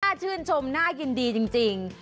น่าชื่นชมน่ากลิ่นดีจริง